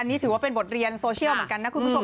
นี่ถือว่าเป็นบทเรียนโซเชียลเหมือนกันนะคุณผู้ชม